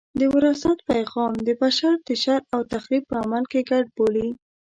د وراثت پیغام د بشر د شر او تخریب په عمل کې ګډ بولي.